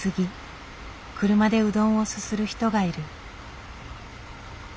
車でうどんをすする人がいる。